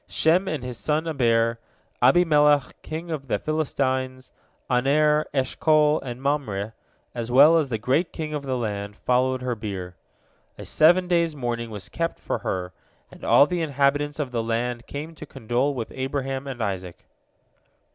Shem and his son Eber, Abimelech king of the Philistines, Aner, Eshcol, and Mamre, as well as all the great of the land, followed her bier. A seven days' mourning was kept for her, and all the inhabitants of the land came to condole with Abraham and Isaac.